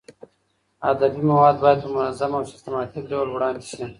ادبي مواد باید په منظم او سیستماتیک ډول وړاندې شي.